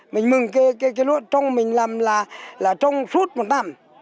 mình mừng cái lúa trong mình làm là trong suốt một năm